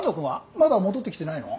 まだ戻ってきてないの？